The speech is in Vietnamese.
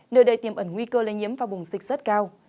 nơi đây tiềm ẩn nguy cơ lây nhiễm và bùng dịch rất cao